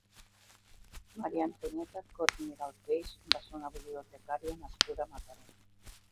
Maria Antonieta Cot Miralpeix va ser una bibliotecària nascuda a Mataró.